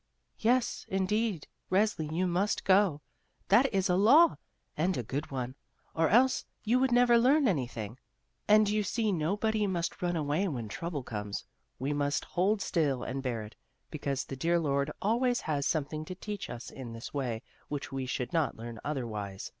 "Yes, indeed, Resli, you must go; that is a law, and a good one, or else you would never learn anything. And you see nobody must run away when trouble comes ; we must hold still and bear it, because the dear Lord always has some thing to teach us in this way which we should not learn otherwise.